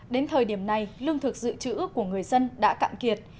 đến thời điểm này lương thực dự trữ của người dân đã cạn kiệt